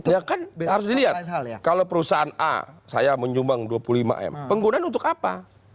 ya kan harus dilihat kalau perusahaan a saya menyumbang dua puluh lima m penggunaan untuk apa